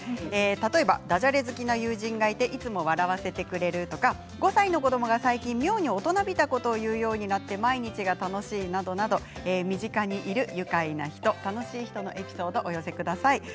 例えばだじゃれ好きな友人がいていつも笑わせてくれるとか５歳の子どもが最近妙に大人びたことを言うようになって毎日が楽しいなど身近にいる愉快な人、楽しい人のエピソードお寄せください。